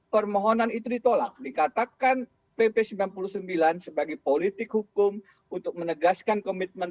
permohonan itu ditolak dikatakan pp sembilan puluh sembilan sebagai politik hukum untuk menegaskan komitmen